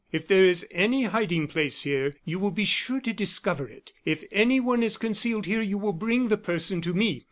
If there is any hiding place here, you will be sure to discover it; if anyone is concealed here, you will bring the person to me.